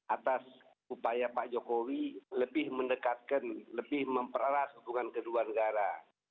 atas upaya pak jokowi lebih mendekatkan lebih mempereras hubungan kedua negara